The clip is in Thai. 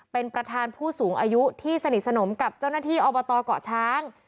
เป็นประธานผู้สูงอายุที่สนิทสนมกับเจ้าหน้าที่อบตเกาะช้าง